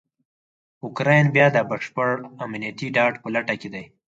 اوکرایین بیا دبشپړامنیتي ډاډ په لټه کې دی.